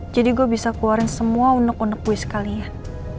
jadi gue bisa keluarin semua unek unek gue sekalian